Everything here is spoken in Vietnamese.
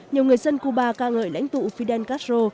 nhiều người dân cuba ca ngợi lãnh tụ fidel castro